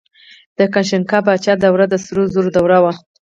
د کنیشکا پاچا دوره د سرو زرو دوره وه